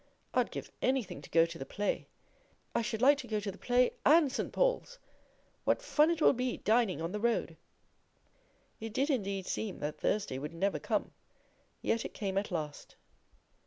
I'd give anything to go to the play. I should like to go to the play and St. Paul's! What fun it will be dining on the road!' It did indeed seem that Thursday would never come; yet it came at last.